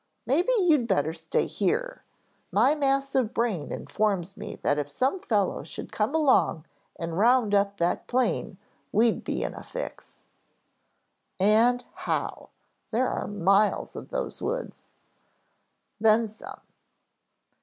Maybe you'd better stay here. My massive brain informs me that if some fellow should come along and round up that plane we'd be in a fix." "And how. There are miles of those woods." "Then some."